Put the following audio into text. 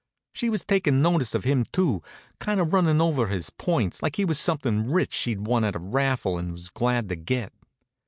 She was takin' notice of him, too, kind of runnin' over his points like he was something rich she'd won at a raffle and was glad to get.